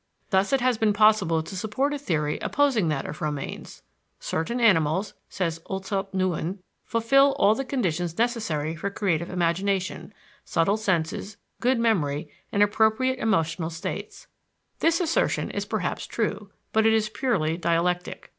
Thus it has been possible to support a theory opposing that of Romanes. Certain animals, says Oelzelt Newin, fulfill all the conditions necessary for creative imagination subtle senses, good memory, and appropriate emotional states. This assertion is perhaps true, but it is purely dialectic.